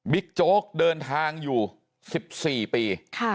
โจ๊กเดินทางอยู่๑๔ปี